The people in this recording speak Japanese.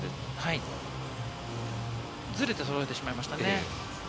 ズレてそろえてしまいましたね。